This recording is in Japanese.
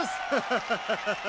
ハハハハハ！